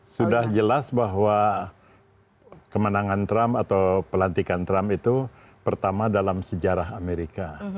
sudah jelas bahwa kemenangan trump atau pelantikan trump itu pertama dalam sejarah amerika